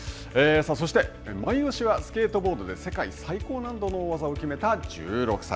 そしてマイオシはスケートボードで世界最高難度の大技を決めた１６歳。